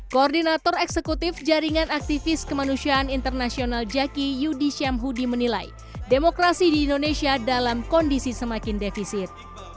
koordinator eksekutif jaringan aktivis kemanusiaan internasional jaki yudi syamhudi menilai demokrasi di indonesia dalam kondisi semakin defisit